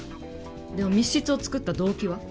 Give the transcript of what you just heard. でも密室を作った動機は？